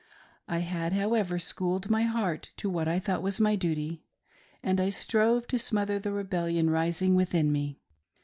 I had, how ever, schooled my heart to what I thought was my duty, and I strove to smother the rebellion rising within me.